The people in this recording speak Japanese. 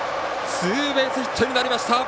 ツーベースヒットになりました。